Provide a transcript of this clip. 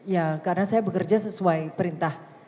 ya karena saya bekerja sesuai perintah